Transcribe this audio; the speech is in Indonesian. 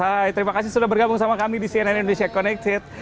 hai terima kasih sudah bergabung sama kami di cnn indonesia connected